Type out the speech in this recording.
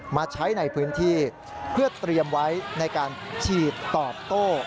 มาใช้ในพื้นที่เพื่อเตรียมไว้ในการฉีดตอบโต้